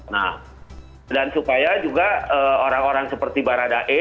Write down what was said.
nah dan supaya juga orang orang seperti baradae